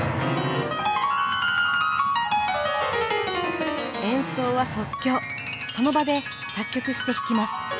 演奏は即興その場で作曲して弾きます。